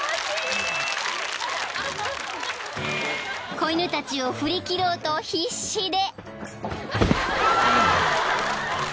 ［子犬たちを振り切ろうと必死で］